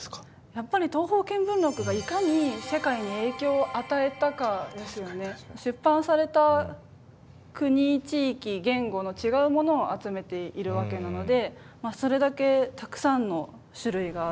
やっぱり「東方見聞録」が出版された国地域言語の違うものを集めているわけなのでそれだけたくさんの種類がある。